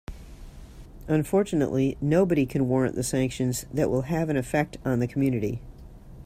Unfortunately, nobody can warrant the sanctions that will have an effect on the community.